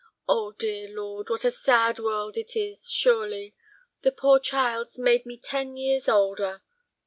Oh, dear Lord, what a sad world it is, surely! The poor child's made me ten years older."